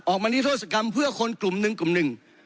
๒๗๙ออกมาที่ธุรกรรมเพื่อคนกลุ่มนึงกลุ่มนึง